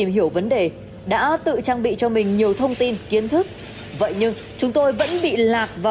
nhưng đây anh mấy chục nghìn anh được một chục ba quả